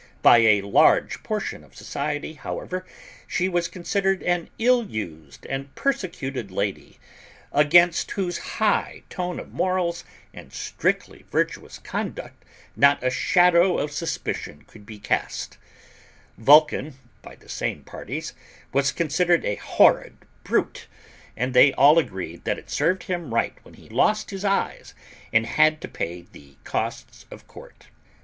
By a large portion of society, however, she was considered an ill used and persecuted lady, against whose high tone of morals and strictly virtuous conduct not a shadow of suspicion could be cast; Vulcan, by the same parties, was considered a horrid brute, and they all agreed that it served him right when he lost his case and had to pay the costs of court.